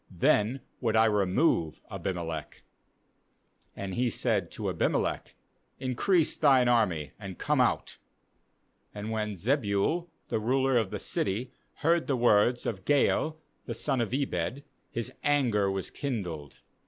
then would I remove Abimelech.' And he said to Abimelech: 'Increase thine army, and come out.' 30And when Zebul the ruler of the city heard the words of Gaal the son of Ebed, his anger was kindled.